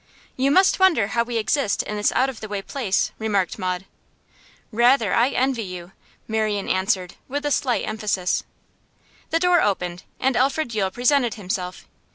'You must wonder how we exist in this out of the way place,' remarked Maud. 'Rather, I envy you,' Marian answered, with a slight emphasis. The door opened, and Alfred Yule presented himself.